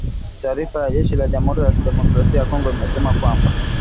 Taarifa ya jeshi la Jamhuri ya kidemokrasia ya Kongo imesema kwamba